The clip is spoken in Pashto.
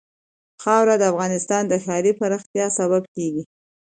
خاوره د افغانستان د ښاري پراختیا سبب کېږي.